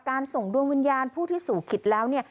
การส่งดวงวิญญาณผู้ที่สู่คิดแล้ว